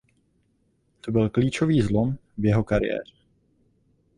To byl klíčový zlom v jeho kariéře.